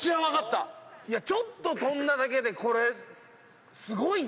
いやちょっととんだだけでこれすごいね。